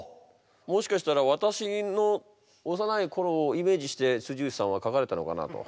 もしかしたら私の幼い頃をイメージして内さんは書かれたのかなと。